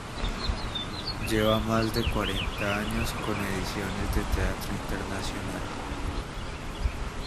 Lleva más de cuarenta años con ediciones de teatro internacional.